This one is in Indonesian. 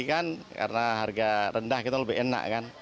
karena harga rendah lebih enak